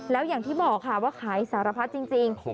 แล้วอย่างที่บอกค่ะว่าขายสารพัดจริง